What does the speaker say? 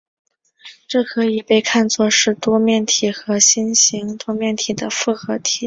这可以被看作是多面体和星形多面体的复合体。